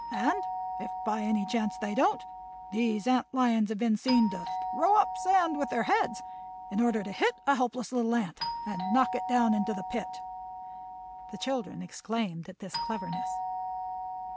And if by any chance they don't, these ant lions have been seen to throw up sand with their heads in order to hit a helpless little ant and knock it down into the pit." The children exclaimed at this cleverness.